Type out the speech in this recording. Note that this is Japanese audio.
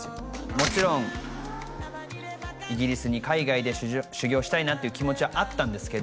もちろんイギリスに海外で修業したいなって気持ちはあったんですけど